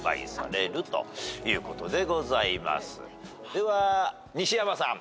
では西山さん。